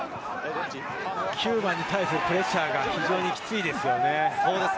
９番に対するプレッシャーが非常にキツイですね。